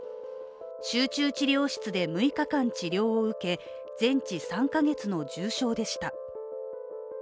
集中治療室で６日間治療を受け、全治３か月の重傷でした。